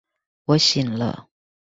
我醒了